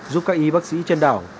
giúp các y bác sĩ trên đảo